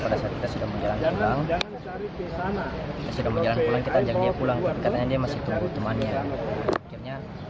pada saat kita sudah menjalan pulang kita ajak dia pulang tapi katanya dia masih tunggu temannya